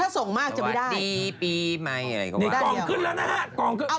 ถ้าส่งมากจริงจะไม่ได้